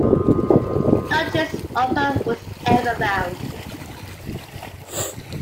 No trace of her was ever found.